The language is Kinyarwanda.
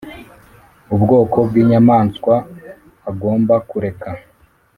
Ubwoko bw inyamaswa agomba kureka